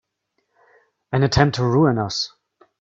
An attempt to ruin us!